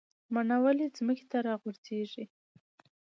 مڼه ولې ځمکې ته راغورځیږي؟